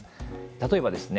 例えばですね